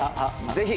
ぜひ。